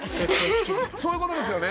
そういうことですよね。